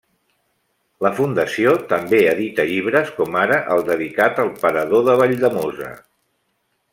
La Fundació també edita llibres, com ara el dedicat al Parado de Valldemossa.